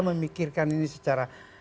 memikirkan ini secara